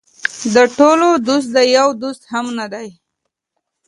د ټولو دوست د یو دوست هم نه دی.